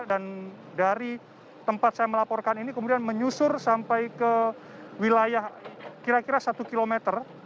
dan dari tempat saya melaporkan ini kemudian menyusur sampai ke wilayah kira kira satu kilometer